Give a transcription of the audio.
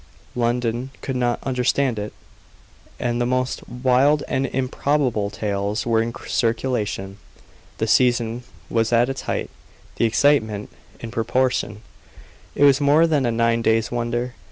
London could not understand it; and the most wild and improbable tales were in circulation. The season was at its height; the excitement in proportion; it was more than a nine days' wonder.